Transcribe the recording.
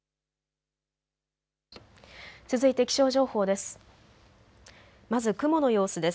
続いて気象情報です。